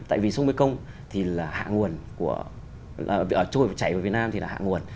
tại vì sông mây công thì là hạ nguồn của trôi chảy vào việt nam thì là hạ nguồn